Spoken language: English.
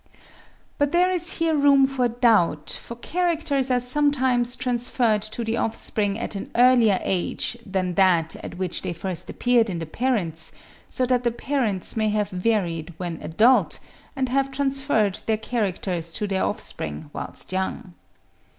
But there is here room for doubt, for characters are sometimes transferred to the offspring at an earlier age than that at which they first appeared in the parents, so that the parents may have varied when adult, and have transferred their characters to their offspring whilst young.